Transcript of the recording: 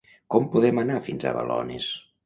Com podem anar fins a Balones?